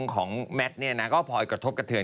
ของแมทเนี่ยนะก็พอยกระทบกระเทือน